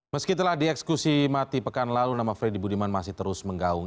meski telah dieksekusi mati pekan lalu nama freddy budiman masih terus menggaung